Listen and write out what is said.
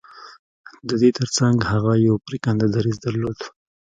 د دې ترڅنګ هغه يو پرېکنده دريځ درلود.